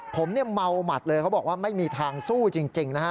ผมเนี่ยเมาหมัดเลยเขาบอกว่าไม่มีทางสู้จริงนะฮะ